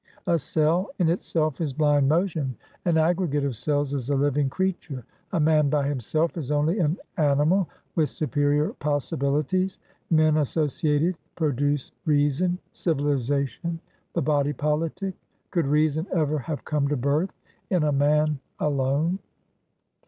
A cell in itself is blind motion; an aggregate of cells is a living creature. A man by himself is only an animal with superior possibilities; men associated produce reason, civilisation, the body politic. Could reason ever have come to birth in a man alone?"